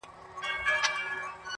• هم ښکاري ؤ هم جنګي ؤ هم غښتلی,